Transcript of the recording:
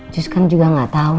sos kan juga gak tau